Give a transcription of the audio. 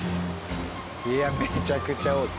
いやめちゃくちゃ多い。